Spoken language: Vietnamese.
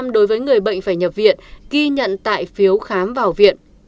một trăm linh đối với người bệnh phải nhập viện ghi nhận tại phiếu khám vào viện